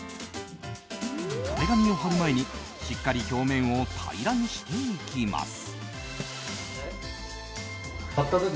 壁紙を貼る前にしっかり表面を平らにしていきます。